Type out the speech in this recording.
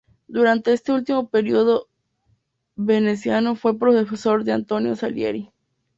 Durante este último periodo veneciano fue profesor de Antonio Salieri.